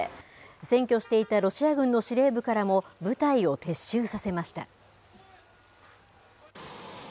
占拠していたロシア軍の司令部からも部隊を撤収させました。